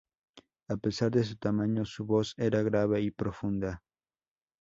A pesar de su tamaño, su voz era grave y profunda.